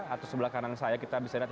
atau sebelah kanan saya kita bisa lihat